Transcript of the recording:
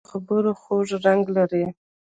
جانداد د خبرو خوږ رنګ لري.